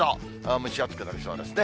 蒸し暑くなりそうですね。